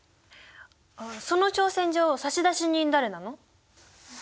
あっその挑戦状差出人誰なの？